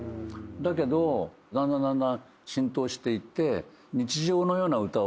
だけどだんだんだんだん浸透していって。